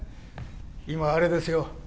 今はあれですよ